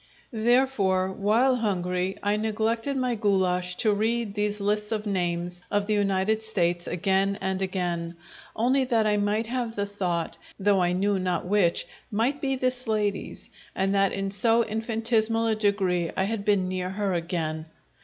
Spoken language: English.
Therefore, while hungry, I neglected my goulasch to read these lists of names of the United States again and again, only that I might have the thought that one of them though I knew not which might be this lady's, and that in so infinitesimal a degree I had been near her again.